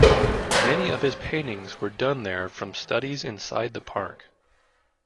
Many of his paintings were done there from studies inside the park.